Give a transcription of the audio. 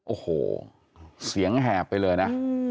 โอ้โหเสียงแหบไปเลยนะ